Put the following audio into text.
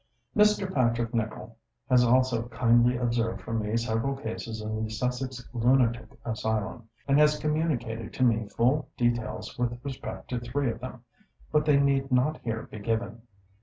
Mr. Patrick Nicol has also kindly observed for me several cases in the Sussex Lunatic Asylum, and has communicated to me full details with respect to three of them; but they need not here be given.